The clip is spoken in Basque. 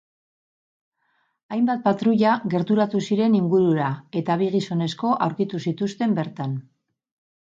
Hainbat patruila gerturatu ziren ingurura, eta bi gizonezko aurkitu zituzten bertan.